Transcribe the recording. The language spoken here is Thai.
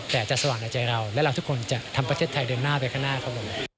แต่จะสว่างในใจเราและเราทุกคนจะทำประเทศไทยเดินหน้าไปข้างหน้าครับผม